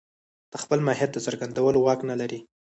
د خپل ماهيت د څرګندولو واک نه لري.